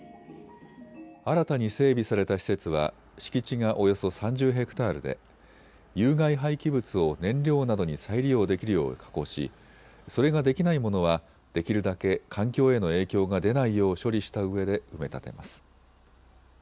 新たに整備された施設は敷地がおよそ３０ヘクタールで有害廃棄物を燃料などに再利用できるよう加工し、それができないものはできるだけ環境への影響が出ないよう処理したうえで埋め立てます。